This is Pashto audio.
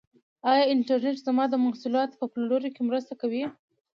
آیا انټرنیټ زما د محصولاتو په پلور کې مرسته کوي؟